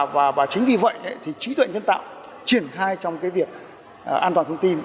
và chính vì vậy thì trí tuệ nhân tạo triển khai trong việc an toàn thông tin